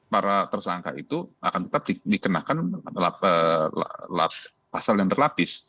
para tersangka itu akan tetap dikenakan pasal yang berlapis